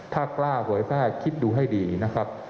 ถ้ากล้าเผยแพร่คิดดูให้ดีนะครับ